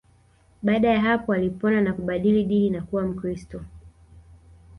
Baada ya hapo alipona na kubadili dini na kuwa Mkristo